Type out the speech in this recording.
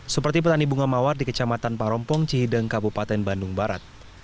seperti petani bunga mawar di kecamatan parompong cihideng kabupaten bandung barat